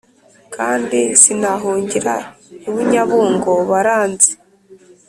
kandi sinahungira ibunyabungo baranzi